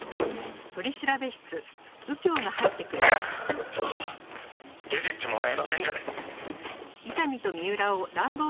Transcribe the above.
ちょっと出ていってもらえませんかね。